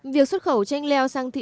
việc xuất khẩu chanh leo sang châu âu